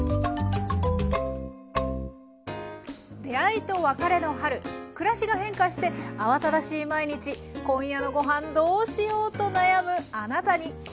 出会いと別れの春暮らしが変化して慌ただしい毎日「今夜のごはんどうしよう」と悩むあなたに。